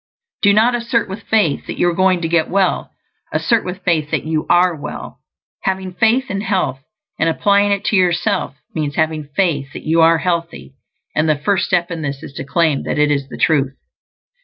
Do not assert with faith that you are going to get well; assert with faith that you ARE well. Having faith in health, and applying it to yourself, means having faith that you are healthy; and the first step in this is to claim that it is the truth.